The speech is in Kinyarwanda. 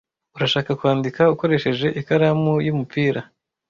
Urashaka kwandika ukoresheje ikaramu y'umupira?